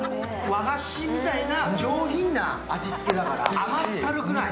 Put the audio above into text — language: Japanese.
和菓子みたいな上品な味付けだから、甘ったるくない。